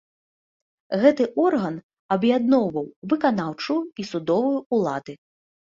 Гэты орган аб'ядноўваў выканаўчую і судовую ўлады.